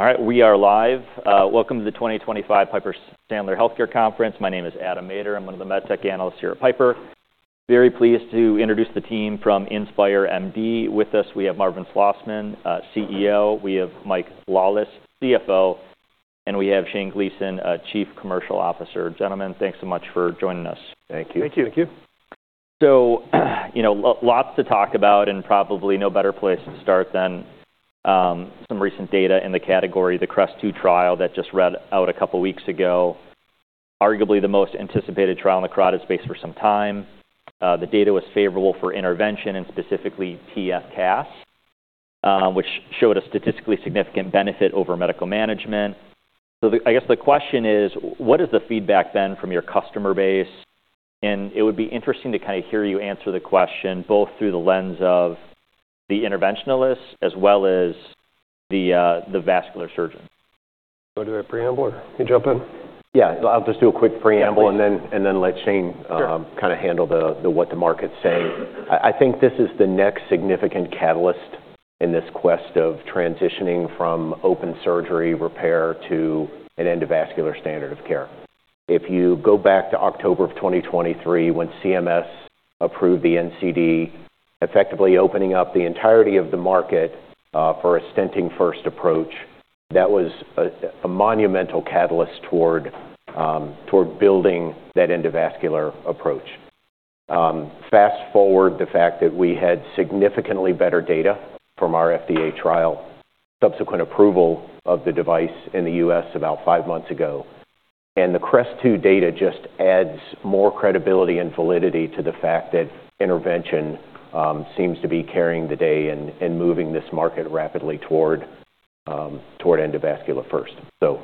All right. We are live. Welcome to the 2025 Piper Sandler Healthcare Conference. My name is Adam Maeder. I'm one of the MedTech Analysts here at Piper. Very pleased to introduce the team from InspireMD. With us, we have Marvin Slosman, CEO. We have Mike Lawless, CFO. And we have Shane Gleason, Chief Commercial Officer. Gentlemen, thanks so much for joining us. Thank you. Thank you. Thank you. So, you know, lots to talk about, and probably no better place to start than some recent data in the category, the CREST-2 trial that just read out a couple weeks ago. Arguably the most anticipated trial in the carotid space for some time. The data was favorable for intervention, and specifically TF-CAS, which showed a statistically significant benefit over medical management. So the, I guess the question is, what is the feedback then from your customer base? And it would be interesting to kinda hear you answer the question both through the lens of the interventionalist as well as the vascular surgeon. Do I do a preamble or you jump in? Yeah. I'll just do a quick preamble. Sure. And then let Shane, Sure. Kind of handle what the market's saying. I think this is the next significant catalyst in this quest of transitioning from open surgery repair to an endovascular standard of care. If you go back to October of 2023 when CMS approved the NCD, effectively opening up the entirety of the market, for a stenting-first approach, that was a monumental catalyst toward building that endovascular approach. Fast forward to the fact that we had significantly better data from our FDA trial, subsequent approval of the device in the U.S. about five months ago, and the CREST-2 data just adds more credibility and validity to the fact that intervention seems to be carrying the day and moving this market rapidly toward endovascular first. So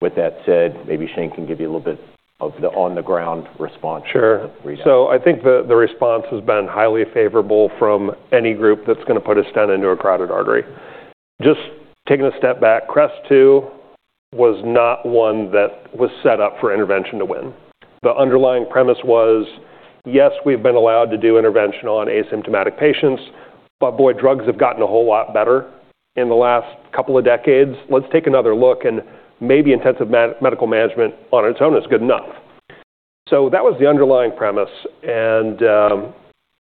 with that said, maybe Shane can give you a little bit of the on-the-ground response. Sure. Read. So I think the response has been highly favorable from any group that's gonna put a stent into a carotid artery. Just taking a step back, CREST-2 was not one that was set up for intervention to win. The underlying premise was, yes, we've been allowed to do intervention on asymptomatic patients, but boy, drugs have gotten a whole lot better in the last couple of decades. Let's take another look, and maybe intensive medical management on its own is good enough. So that was the underlying premise. And,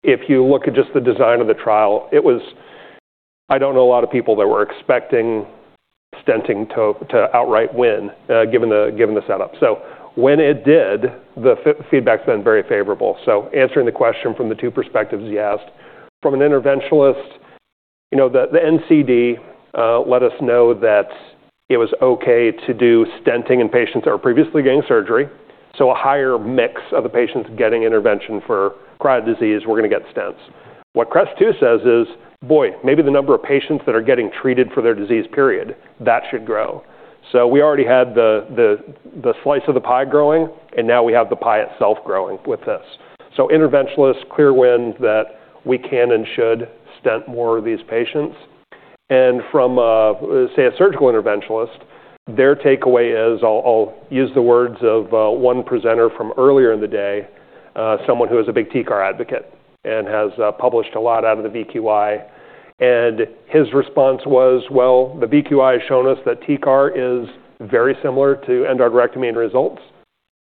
if you look at just the design of the trial, it was. I don't know a lot of people that were expecting stenting to outright win, given the setup. So when it did, the feedback's been very favorable. Answering the question from the two perspectives you asked, from an interventionalist, you know, the NCD let us know that it was okay to do stenting in patients that were previously getting surgery. A higher mix of the patients getting intervention for carotid disease, we're gonna get stents. What CREST-2 says is, boy, maybe the number of patients that are getting treated for their disease, period, that should grow. We already had the slice of the pie growing, and now we have the pie itself growing with this. Interventionalists clear win that we can and should stent more of these patients. From, say, a surgical interventionalist, their takeaway is, I'll use the words of one presenter from earlier in the day, someone who is a big TCAR advocate and has published a lot out of the VQI. His response was, well, the VQI has shown us that TCAR is very similar to endarterectomy in results,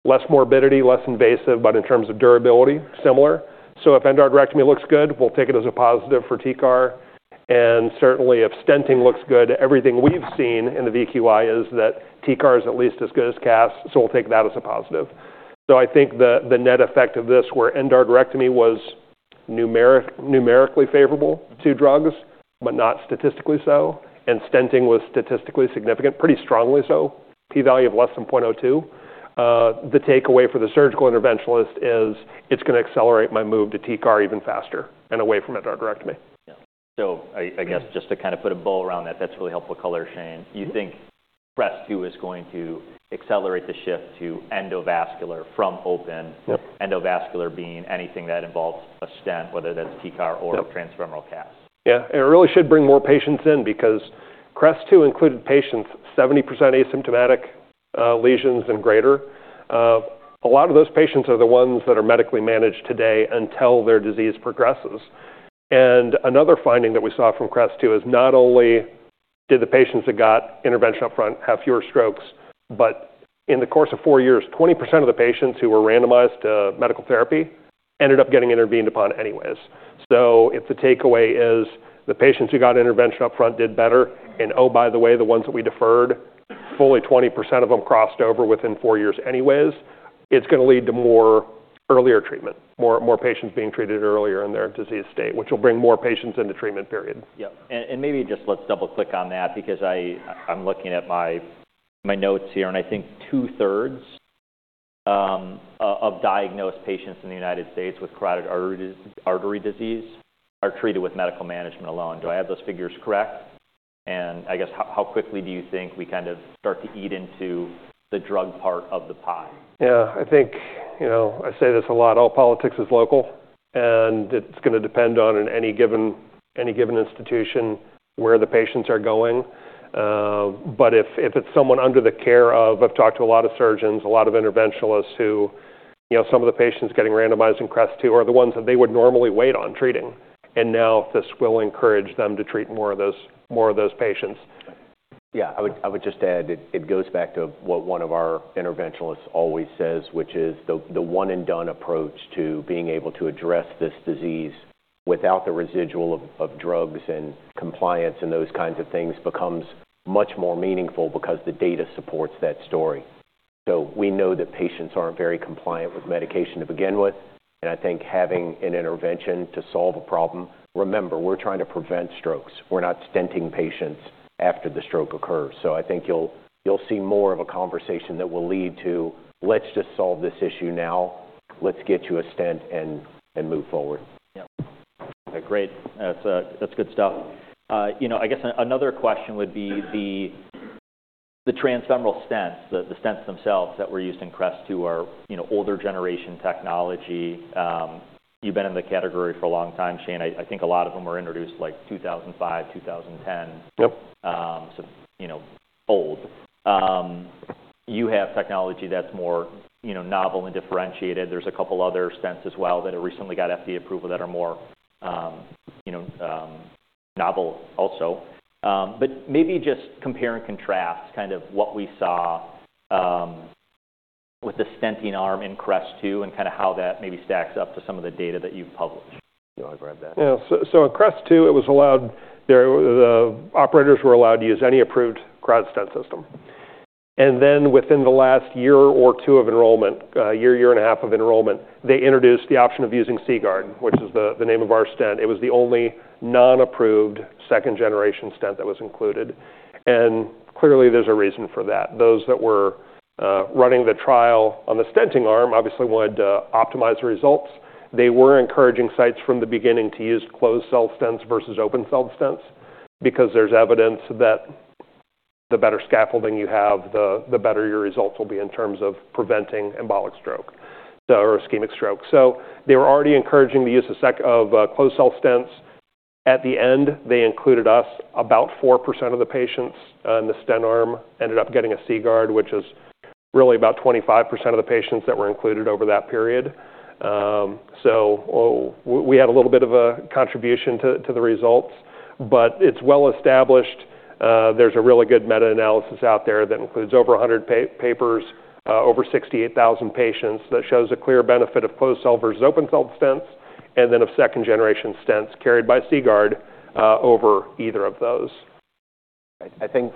less morbidity, less invasive, but in terms of durability, similar. So if endarterectomy looks good, we'll take it as a positive for TCAR. And certainly, if stenting looks good, everything we've seen in the VQI is that TCAR is at least as good as CAS, so we'll take that as a positive. So I think the net effect of this where endarterectomy was numerically favorable to drugs but not statistically so, and stenting was statistically significant, pretty strongly so, p-value of less than 0.02, the takeaway for the surgical interventionalist is it's gonna accelerate my move to TCAR even faster and away from endarterectomy. Yeah. So I guess just to kinda put a bow around that, that's really helpful color, Shane. You think CREST-2 is going to accelerate the shift to endovascular from open. Yep. Endovascular being anything that involves a stent, whether that's TCAR or. Yep. Transfemoral CAS. Yeah. And it really should bring more patients in because CREST-2 included patients 70% asymptomatic, lesions and greater. A lot of those patients are the ones that are medically managed today until their disease progresses. And another finding that we saw from CREST-2 is not only did the patients that got intervention upfront have fewer strokes, but in the course of four years, 20% of the patients who were randomized to medical therapy ended up getting intervened upon anyways. So if the takeaway is the patients who got intervention upfront did better, and oh, by the way, the ones that we deferred, fully 20% of them crossed over within four years anyways, it's gonna lead to more earlier treatment, more, more patients being treated earlier in their disease state, which will bring more patients into treatment, period. Yep. And maybe just let's double-click on that because I'm looking at my notes here, and I think two-thirds of diagnosed patients in the United States with carotid artery disease are treated with medical management alone. Do I have those figures correct? And I guess how quickly do you think we kind of start to eat into the drug part of the pie? Yeah. I think, you know, I say this a lot, all politics is local, and it's gonna depend on in any given institution where the patients are going. But if it's someone under the care of, I've talked to a lot of surgeons, a lot of interventionalists who, you know, some of the patients getting randomized in CREST-2 are the ones that they would normally wait on treating. And now this will encourage them to treat more of those patients. Yeah. I would just add it. It goes back to what one of our interventionalists always says, which is the one-and-done approach to being able to address this disease without the residual of drugs and compliance and those kinds of things becomes much more meaningful because the data supports that story. So we know that patients aren't very compliant with medication to begin with. And I think having an intervention to solve a problem. Remember, we're trying to prevent strokes. We're not stenting patients after the stroke occurs. So I think you'll see more of a conversation that will lead to, let's just solve this issue now. Let's get you a stent and move forward. Yep. Okay. Great. That's good stuff. You know, I guess another question would be the transfemoral stents, the stents themselves that were used in CREST-2 are, you know, older generation technology. You've been in the category for a long time, Shane. I think a lot of them were introduced like 2005, 2010. Yep. So, you know, old. You have technology that's more, you know, novel and differentiated. There's a couple other stents as well that have recently got FDA approval that are more, you know, novel also. But maybe just compare and contrast kind of what we saw, with the stenting arm in CREST-2 and kinda how that maybe stacks up to some of the data that you've published. Do you wanna grab that? Yeah. So in CREST-2, it was allowed there. The operators were allowed to use any approved carotid stent system. And then within the last year or two of enrollment, a year and a half of enrollment, they introduced the option of using CGuard, which is the name of our stent. It was the only non-approved second-generation stent that was included. And clearly, there's a reason for that. Those that were running the trial on the stenting arm obviously wanted to optimize the results. They were encouraging sites from the beginning to use closed-cell stents versus open-cell stents because there's evidence that the better scaffolding you have, the better your results will be in terms of preventing embolic stroke or ischemic stroke. So they were already encouraging the use of closed-cell stents. At the end, they included us, about 4% of the patients, in the stent arm ended up getting a CGuard, which is really about 25% of the patients that were included over that period. We had a little bit of a contribution to the results, but it's well established. There's a really good meta-analysis out there that includes over 100 papers, over 68,000 patients that shows a clear benefit of closed-cell versus open-cell stents and then of second-generation stents carried by CGuard, over either of those. I think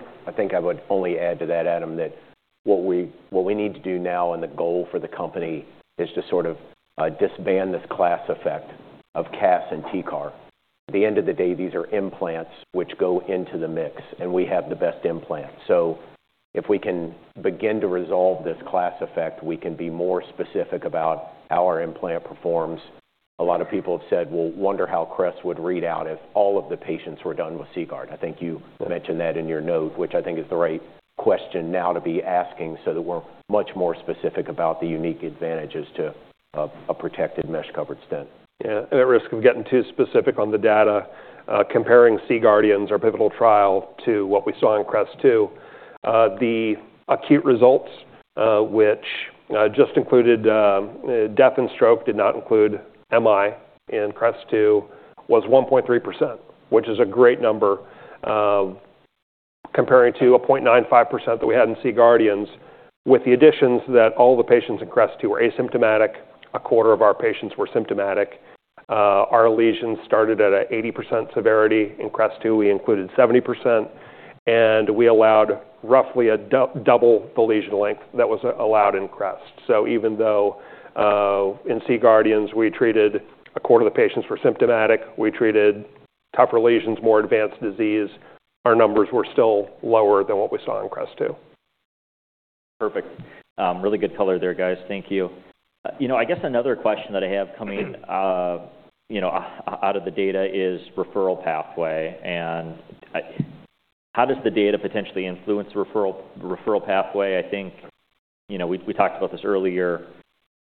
I would only add to that, Adam, that what we need to do now and the goal for the company is to sort of disband this class effect of CAS and TCAR. At the end of the day, these are implants which go into the mix, and we have the best implant. So if we can begin to resolve this class effect, we can be more specific about how our implant performs. A lot of people have said, well, wonder how CREST would read out if all of the patients were done with CGuard. I think you. Yep. Mentioned that in your note, which I think is the right question now to be asking so that we're much more specific about the unique advantages to a protected mesh-covered stent. Yeah. And at risk of getting too specific on the data, comparing C-GUARDIANS, our pivotal trial, to what we saw in CREST-2, the acute results, which just included death and stroke, did not include MI in CREST-2, was 1.3%, which is a great number, comparing to a 0.95% that we had in C-GUARDIANS. With the additions that all the patients in CREST-2 were asymptomatic, a quarter of our patients were symptomatic. Our lesions started at a 80% severity. In CREST-2, we included 70%, and we allowed roughly double the lesion length that was allowed in CREST. So even though in C-GUARDIANS we treated a quarter of the patients were symptomatic, we treated tougher lesions, more advanced disease, our numbers were still lower than what we saw in CREST-2. Perfect. Really good color there, guys. Thank you. You know, I guess another question that I have coming, you know, out of the data is referral pathway. And how does the data potentially influence referral pathway? I think, you know, we talked about this earlier.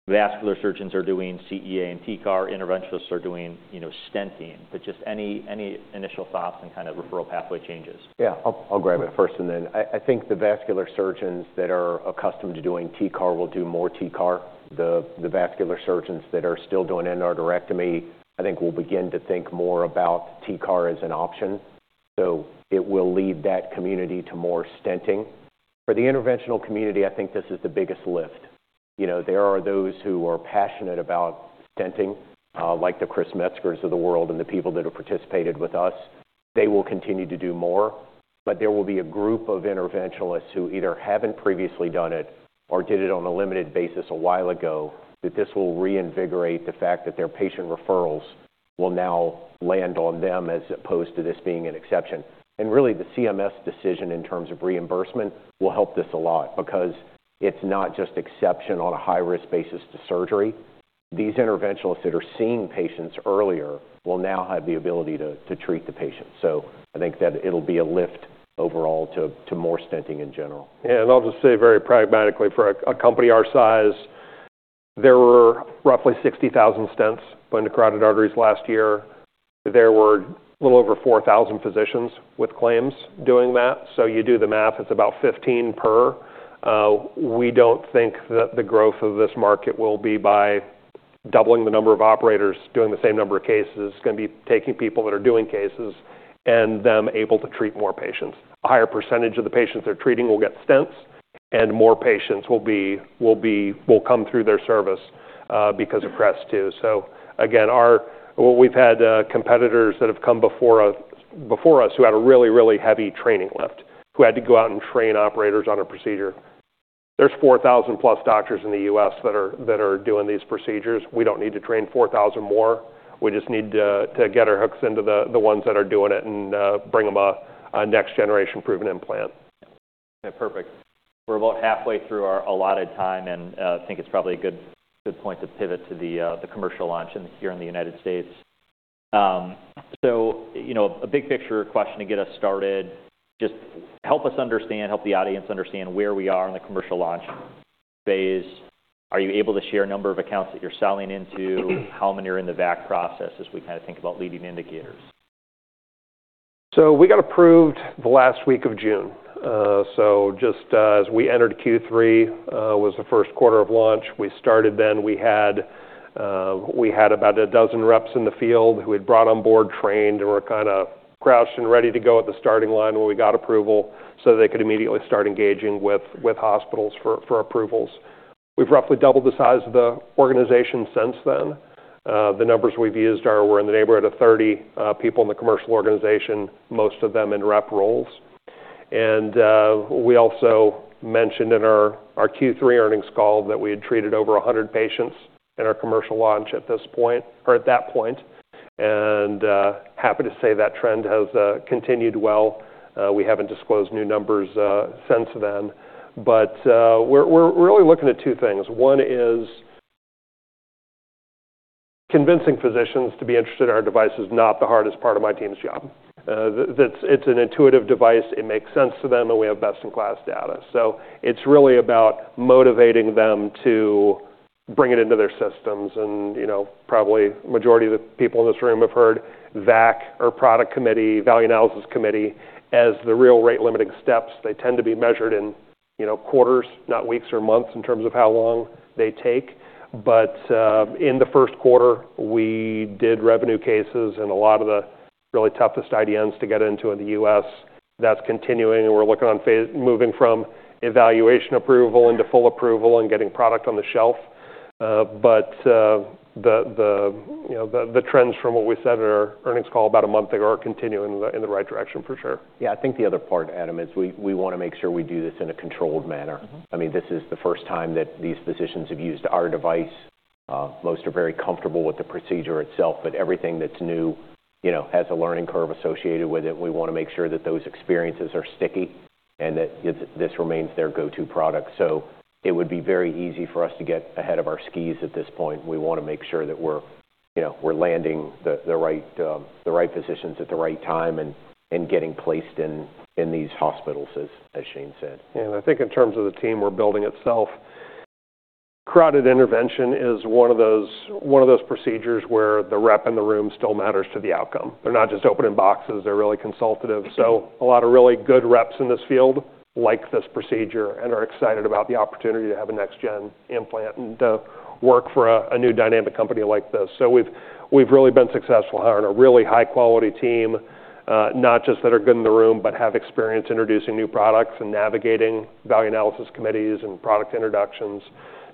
Vascular surgeons are doing CEA and TCAR. Interventionalists are doing, you know, stenting. But just any initial thoughts on kind of referral pathway changes? Yeah. I'll grab it first and then. I think the vascular surgeons that are accustomed to doing TCAR will do more TCAR. The vascular surgeons that are still doing endarterectomy, I think, will begin to think more about TCAR as an option. So it will lead that community to more stenting. For the interventional community, I think this is the biggest lift. You know, there are those who are passionate about stenting, like the Chris Metzger of the world and the people that have participated with us. They will continue to do more. But there will be a group of interventionalists who either haven't previously done it or did it on a limited basis a while ago that this will reinvigorate the fact that their patient referrals will now land on them as opposed to this being an exception. And really, the CMS decision in terms of reimbursement will help this a lot because it's not just exception on a high-risk basis to surgery. These interventionalists that are seeing patients earlier will now have the ability to treat the patient. So I think that it'll be a lift overall to more stenting in general. Yeah. And I'll just say very pragmatically, for a company our size, there were roughly 60,000 stents put into carotid arteries last year. There were a little over 4,000 physicians with claims doing that. So you do the math, it's about 15 per. We don't think that the growth of this market will be by doubling the number of operators doing the same number of cases. It's gonna be taking people that are doing cases and them able to treat more patients. A higher percentage of the patients they're treating will get stents, and more patients will be, will come through their service, because of CREST-2. So again, our what we've had, competitors that have come before us, who had a really heavy training lift, who had to go out and train operators on a procedure. There's 4,000+ doctors in the US that are doing these procedures. We don't need to train 4,000 more. We just need to get our hooks into the ones that are doing it and bring them a next-generation-proven implant. Okay. Perfect. We're about halfway through our allotted time, and I think it's probably a good point to pivot to the commercial launch in the United States, so you know, a big-picture question to get us started. Just help us understand, help the audience understand where we are in the commercial launch phase. Are you able to share number of accounts that you're selling into? How many are in the VAC process as we kinda think about leading indicators? So we got approved the last week of June. So just as we entered Q3 was the first quarter of launch. We started then. We had about a dozen reps in the field who we'd brought on board, trained, and were kinda crouched and ready to go at the starting line when we got approval so they could immediately start engaging with hospitals for approvals. We've roughly doubled the size of the organization since then. The numbers we've used are, we're in the neighborhood of 30 people in the commercial organization, most of them in rep roles. And we also mentioned in our Q3 earnings call that we had treated over 100 patients in our commercial launch at this point or at that point. And happy to say that trend has continued well. We haven't disclosed new numbers since then. But, we're really looking at two things. One is convincing physicians to be interested in our device is not the hardest part of my team's job. That it's an intuitive device. It makes sense to them, and we have best-in-class data. So it's really about motivating them to bring it into their systems. And, you know, probably the majority of the people in this room have heard VAC or product committee, value analysis committee as the real rate-limiting steps. They tend to be measured in, you know, quarters, not weeks or months in terms of how long they take. But, in the first quarter, we did revenue cases and a lot of the really toughest IDNs to get into in the U.S. That's continuing. We're looking forward to moving from evaluation approval into full approval and getting product on the shelf. But the, you know, the trends from what we said at our earnings call about a month ago are continuing in the right direction for sure. Yeah. I think the other part, Adam, is we wanna make sure we do this in a controlled manner. Mm-hmm. I mean, this is the first time that these physicians have used our device. Most are very comfortable with the procedure itself, but everything that's new, you know, has a learning curve associated with it. We wanna make sure that those experiences are sticky and that this remains their go-to product. So it would be very easy for us to get ahead of our skis at this point. We wanna make sure that we're, you know, landing the right physicians at the right time and getting placed in these hospitals, as Shane said. Yeah. And I think in terms of the team we're building itself, carotid intervention is one of those procedures where the rep in the room still matters to the outcome. They're not just opening boxes. They're really consultative. So a lot of really good reps in this field like this procedure and are excited about the opportunity to have a next-gen implant and to work for a new dynamic company like this. So we've really been successful hiring a really high-quality team, not just that are good in the room but have experience introducing new products and navigating value analysis committees and product introductions.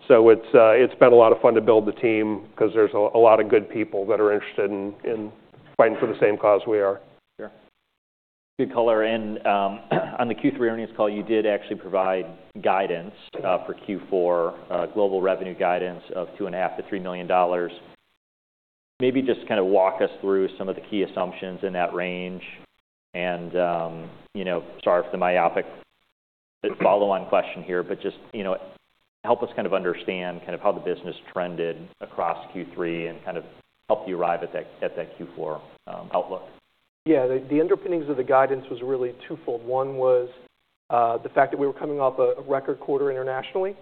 So it's been a lot of fun to build the team 'cause there's a lot of good people that are interested in fighting for the same cause we are. Sure. Good color. And on the Q3 earnings call, you did actually provide guidance for Q4, global revenue guidance of $2.5-3 million. Maybe just kinda walk us through some of the key assumptions in that range and, you know, sorry for the myopic follow-on question here, but just, you know, help us kind of understand kind of how the business trended across Q3 and kind of help you arrive at that Q4 outlook. Yeah. The underpinnings of the guidance was really twofold. One was the fact that we were coming off a record quarter internationally,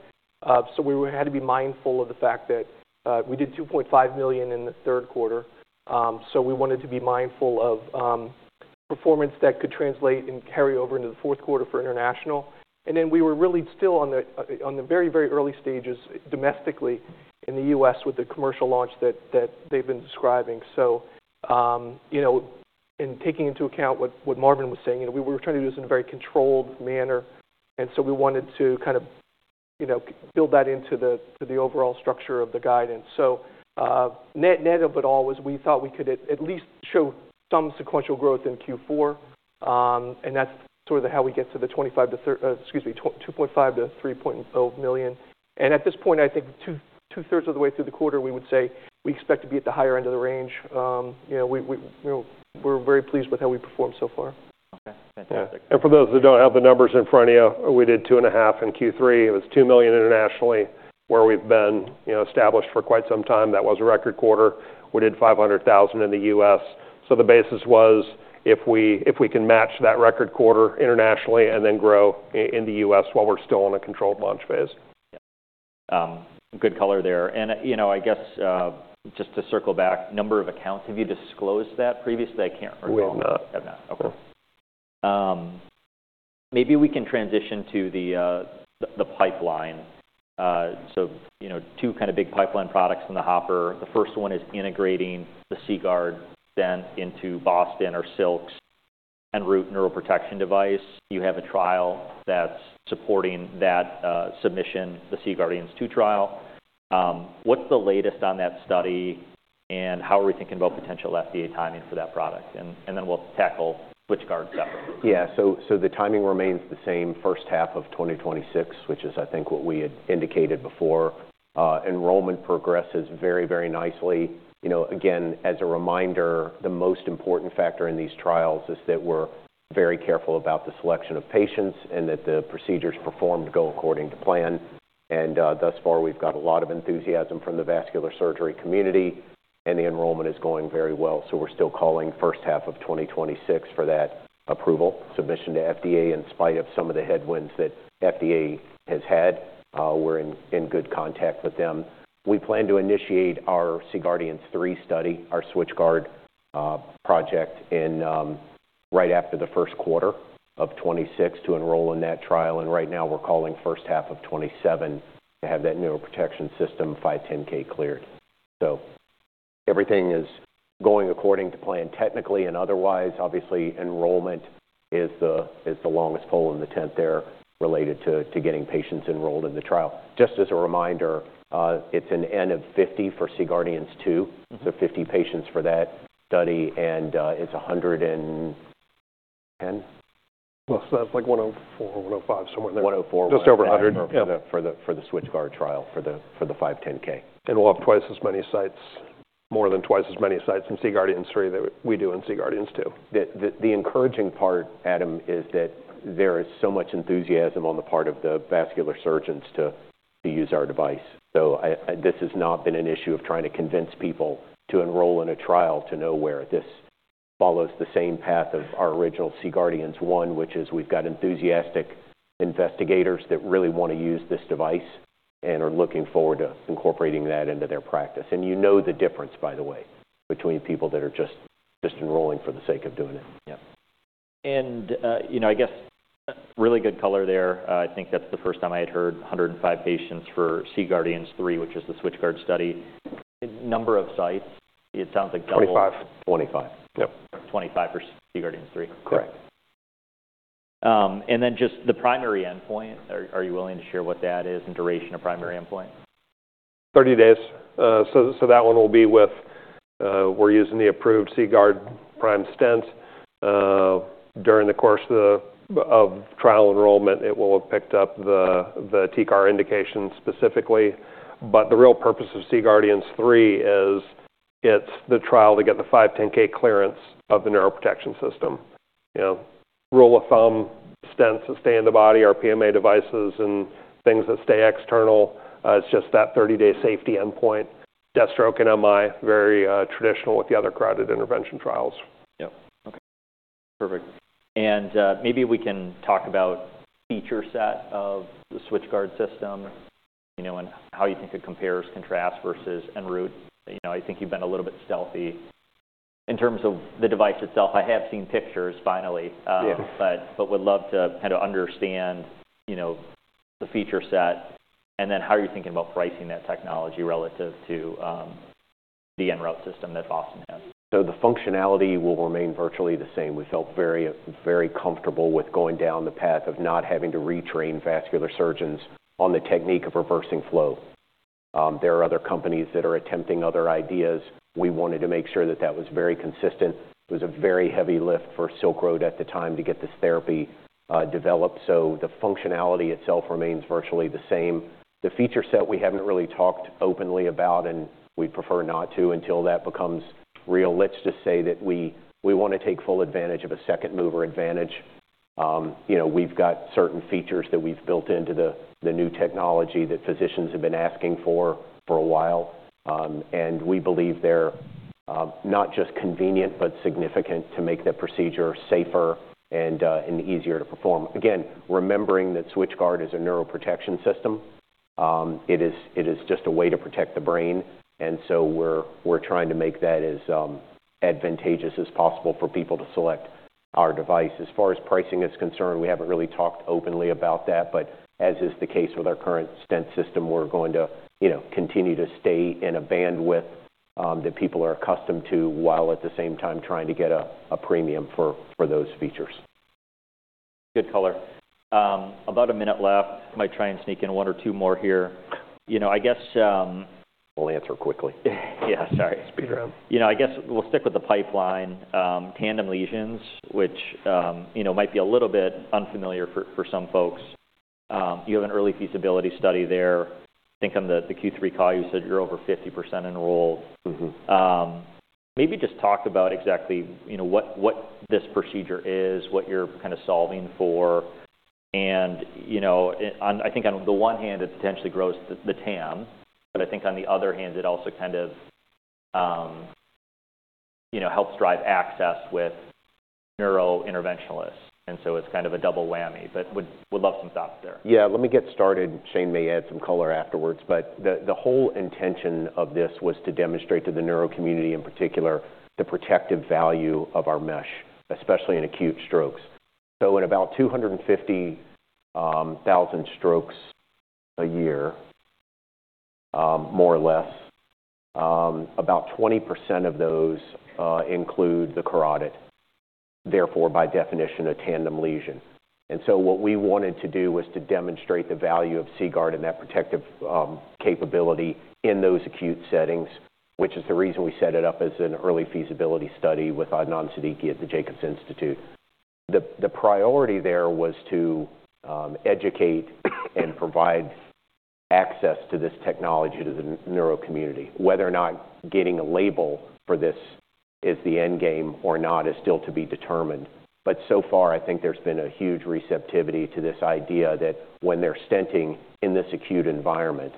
so we had to be mindful of the fact that we did $2.5 million in the third quarter, so we wanted to be mindful of performance that could translate and carry over into the fourth quarter for international. And then we were really still on the very, very early stages domestically in the U.S. with the commercial launch that they've been describing. So, you know, and taking into account what Marvin was saying, you know, we were trying to do this in a very controlled manner. And so we wanted to kind of, you know, build that into the overall structure of the guidance. Net net of it all was we thought we could at least show some sequential growth in Q4. And that's sort of how we get to the $2.5-3.0 million. Excuse me. At this point, I think two-thirds of the way through the quarter, we would say we expect to be at the higher end of the range. You know, we, you know, we're very pleased with how we performed so far. Okay. Fantastic. For those that don't have the numbers in front of you, we did $2.5 million in Q3. It was $2 million internationally where we've been, you know, established for quite some time. That was a record quarter. We did $500,000 in the US. So the basis was if we can match that record quarter internationally and then grow in the US while we're still in a controlled launch phase. Yep. Good color there. And, you know, I guess, just to circle back, number of accounts, have you disclosed that previously? I can't recall. We have not. Have not. Okay. Maybe we can transition to the pipeline. You know, two kinda big pipeline products from the hopper. The first one is integrating the CGuard stent into Boston or Silk's EnRoute neuroprotection device. You have a trial that's supporting that submission, the C-GUARDIANS II trial. What's the latest on that study and how are we thinking about potential FDA timing for that product? And then we'll tackle SwitchGuard separately. Yeah. So the timing remains the same, first half of 2026, which is, I think, what we had indicated before. Enrollment progresses very, very nicely. You know, again, as a reminder, the most important factor in these trials is that we're very careful about the selection of patients and that the procedures performed go according to plan. Thus far, we've got a lot of enthusiasm from the vascular surgery community, and the enrollment is going very well. We're still calling first half of 2026 for that approval submission to FDA in spite of some of the headwinds that FDA has had. We're in good contact with them. We plan to initiate our C-GUARDIANS III study, our SwitchGuard, project in, right after the first quarter of 2026 to enroll in that trial. Right now, we're calling first half of 2027 to have that neuroprotection system 510(k) cleared. Everything is going according to plan technically and otherwise. Obviously, enrollment is the longest pole in the tent there related to getting patients enrolled in the trial. Just as a reminder, it's an N of 50 for C-GUARDIANS II. 50 patients for that study. It's 110? Well, so that's like 104, 105, somewhere in there. 104. Just over 100. For the SwitchGuard trial, for the 510(k). And we'll have twice as many sites, more than twice as many sites in C-GUARDIANS III that we do in C-GUARDIANS II. The encouraging part, Adam, is that there is so much enthusiasm on the part of the vascular surgeons to use our device. So this has not been an issue of trying to convince people to enroll in a trial to know where this follows the same path of our original C-GUARDIANS I, which is we've got enthusiastic investigators that really wanna use this device and are looking forward to incorporating that into their practice. And you know the difference, by the way, between people that are just enrolling for the sake of doing it. Yep. And you know, I guess, really good color there. I think that's the first time I had heard 105 patients for C-GUARDIANS III, which is the SwitchGuard study. Number of sites, it sounds like double. 25. 25. Yep. 25 for C-GUARDIANS III. Correct. and then just the primary endpoint, are you willing to share what that is and duration of primary endpoint? 30 days. So that one will be with, we're using the approved CGuard Prime stent. During the course of the trial enrollment, it will have picked up the TCAR indication specifically. But the real purpose of C-GUARDIANS III is it's the trial to get the 510(k) clearance of the neuroprotection system. You know, rule of thumb, stents that stay in the body, our PMA devices and things that stay external, it's just that 30-day safety endpoint. Death, stroke and MI, very traditional with the other carotid intervention trials. Yep. Okay. Perfect. And maybe we can talk about feature set of the SwitchGuard system, you know, and how you think it compares, contrast versus EnRoute. You know, I think you've been a little bit stealthy in terms of the device itself. I have seen pictures finally. Yes. But would love to kinda understand, you know, the feature set and then how you're thinking about pricing that technology relative to the EnRoute system that Boston has. So the functionality will remain virtually the same. We felt very, very comfortable with going down the path of not having to retrain vascular surgeons on the technique of reversing flow. There are other companies that are attempting other ideas. We wanted to make sure that was very consistent. It was a very heavy lift for Silk Road at the time to get this therapy developed. So the functionality itself remains virtually the same. The feature set, we haven't really talked openly about, and we'd prefer not to until that becomes real. Let's just say that we wanna take full advantage of a second mover advantage. You know, we've got certain features that we've built into the new technology that physicians have been asking for a while. And we believe they're not just convenient but significant to make the procedure safer and easier to perform. Again, remembering that SwitchGuard is a neuroprotection system. It is just a way to protect the brain. And so we're trying to make that as advantageous as possible for people to select our device. As far as pricing is concerned, we haven't really talked openly about that. But as is the case with our current stent system, we're going to, you know, continue to stay in a bandwidth that people are accustomed to while at the same time trying to get a premium for those features. Good color. About a minute left. Might try and sneak in one or two more here. You know, I guess, we'll answer quickly. Yeah. Sorry. Speed round. You know, I guess we'll stick with the pipeline. Tandem lesions, which, you know, might be a little bit unfamiliar for some folks. You have an early feasibility study there. I think on the Q3 call, you said you're over 50% enrolled. Mm-hmm. Maybe just talk about exactly, you know, what, what this procedure is, what you're kinda solving for. And, you know, on, I think on the one hand, it potentially grows the, the TAM. But I think on the other hand, it also kind of, you know, helps drive access with neurointerventionalists. And so it's kind of a double whammy. But would, would love some thoughts there. Yeah. Let me get started. Shane may add some color afterwards. But the whole intention of this was to demonstrate to the neuro community in particular the protective value of our mesh, especially in acute strokes, so in about 250 thousand strokes a year, more or less, about 20% of those include the carotid. Therefore, by definition, a tandem lesion, and so what we wanted to do was to demonstrate the value of CGuard and that protective capability in those acute settings, which is the reason we set it up as an early feasibility study with Adnan Siddiqui at the Jacobs Institute. The priority there was to educate and provide access to this technology to the neuro community. Whether or not getting a label for this is the endgame or not is still to be determined. But so far, I think there's been a huge receptivity to this idea that when they're stenting in this acute environment,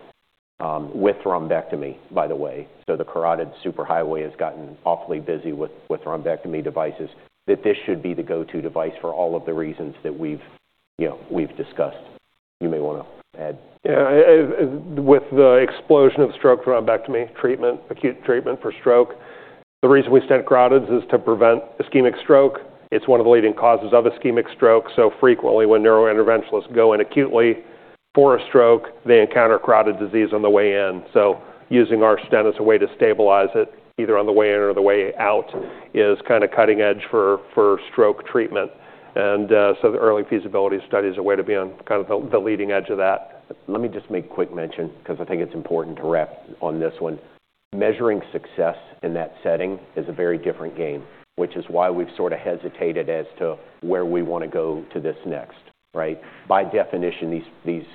with thrombectomy, by the way, so the carotid superhighway has gotten awfully busy with thrombectomy devices, that this should be the go-to device for all of the reasons that we've, you know, discussed. You may wanna add. Yeah. With the explosion of stroke thrombectomy treatment, acute treatment for stroke, the reason we stent carotids is to prevent ischemic stroke. It's one of the leading causes of ischemic stroke. So frequently, when neurointerventionalists go in acutely for a stroke, they encounter carotid disease on the way in. So using our stent as a way to stabilize it, either on the way in or the way out, is kind a cutting edge for stroke treatment. And so the early feasibility study is a way to be on kind of the leading edge of that. Let me just make a quick mention 'cause I think it's important to wrap on this one. Measuring success in that setting is a very different game, which is why we've sorta hesitated as to where we wanna go to this next, right? By definition, these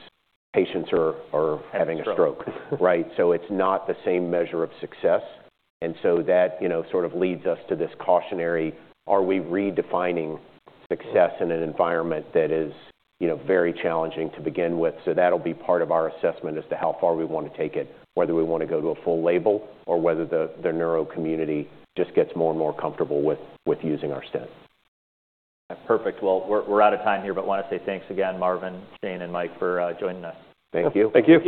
patients are having a stroke, right? So it's not the same measure of success, and so that, you know, sort of leads us to this cautionary. Are we redefining success in an environment that is, you know, very challenging to begin with? So that'll be part of our assessment as to how far we wanna take it, whether we wanna go to a full label or whether the neuro community just gets more and more comfortable with using our stent. Perfect, well, we're out of time here, but wanna say thanks again, Marvin, Shane, and Mike for joining us. Thank you. Thank you.